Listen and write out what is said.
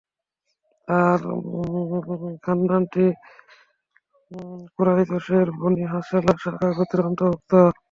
তাঁর খান্দানটি কুরায়শের বনী হাসালা শাখা গোত্রের অন্তর্ভুক্ত।